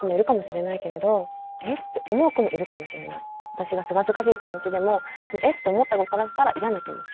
私がすがすがしい気持ちでも「えっ？」って思った子からしたら嫌な気持ち。